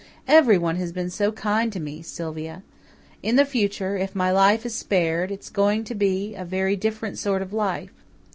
Everyone has been so kind to me, Sylvia. In the future, if my life is spared, it is going to be a very different sort of life.